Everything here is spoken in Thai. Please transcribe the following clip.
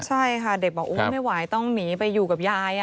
ใช่ค่ะเด็กบอกไม่ไหวต้องหนีไปอยู่กับยาย